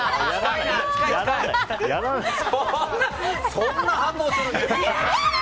そんなことする。